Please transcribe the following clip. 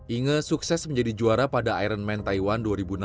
inge sukses menjadi juara pada iron man taiwan dua ribu enam belas